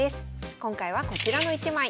今回はこちらの１枚。